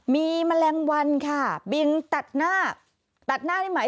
มีแมลงวันค่ะบินตัดหน้าตัดหน้าได้ไหม